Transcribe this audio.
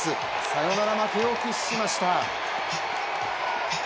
サヨナラ負けを喫しました。